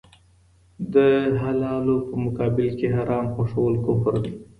د حلالو په مقابل کي حرام خوښول کفر دی.